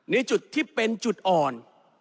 ในจุดที่เป็นจุดอ่อน